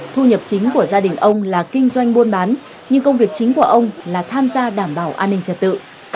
thu nhập chính của gia đình ông là kinh doanh buôn bán nhưng công việc chính của ông là tham gia đảm bảo an ninh trật tự